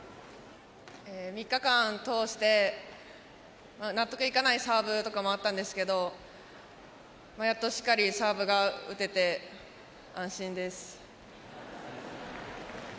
３日間通して納得いかないサーブとかもあったんですけどやっとしっかりサーブが打てて安心です。